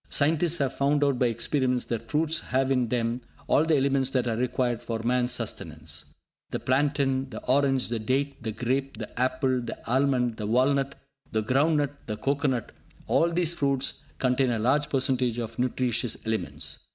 Scientists have found out by experiments that fruits have in them all the elements that are required for man's sustenance. The plantain, the orange, the date, the grape, the apple, the almond, the walnut, the groundnut, the cocoanut, all these fruits contain a large percentage of nutritious elements.